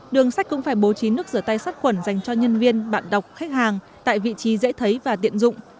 đường sách cũng phải bố trí nước rửa tay sát khuẩn dành cho nhân viên bạn đọc khách hàng tại vị trí dễ thấy và tiện dụng